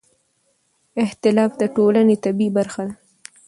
اختلاف د ټولنې طبیعي برخه ده